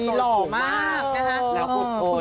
นี้กระทิงเขาส่องถูกมาก